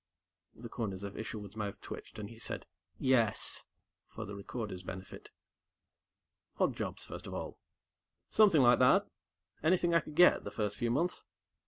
The corners of Isherwood's mouth twitched, and he said "Yes" for the recorder's benefit. "Odd jobs, first of all?" "Something like that. Anything I could get, the first few months.